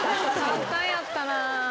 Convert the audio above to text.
簡単やったな。